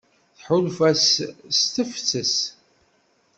Tḥulfa s tefses.